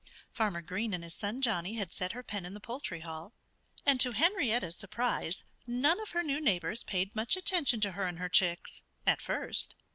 Farmer Green and his son Johnnie had set her pen in the Poultry Hall. And to Henrietta's surprise, none of her new neighbors paid much attention to her and her chicks at first.